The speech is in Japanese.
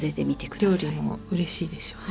料理もうれしいでしょうし。